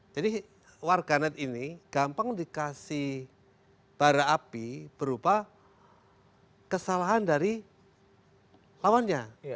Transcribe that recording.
jadi warganet ini gampang dikasih bara api berupa kesalahan dari lawannya